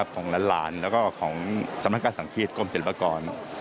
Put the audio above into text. ของหลานแล้วก็ของสำนักการสังฆีตกรมศิลปากร